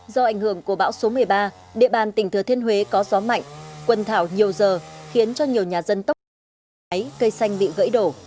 do ảnh hưởng của bão số một mươi ba địa bàn tỉnh thừa thiên huế có gió mạnh quân thảo nhiều giờ khiến cho nhiều nhà dân tốc độ cháy cây xanh bị gãy đổ